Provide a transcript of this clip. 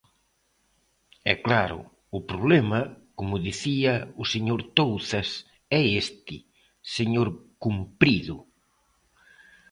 E, claro, o problema, como dicía o señor Touzas, é este, señor Cumprido.